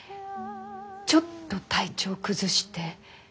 ちょっと体調崩して。